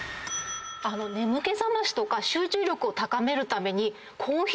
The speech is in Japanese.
眠気覚ましとか集中力を高めるために。